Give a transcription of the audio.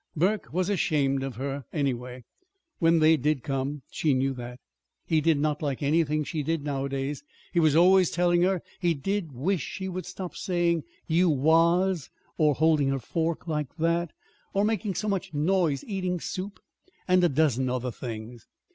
Burke was ashamed of her, anyway, when they did come. She knew that. He did not like anything she did nowadays. He was always telling her he did wish she would stop saying "you was," or holding her fork like that, or making so much noise eating soup, and a dozen other things.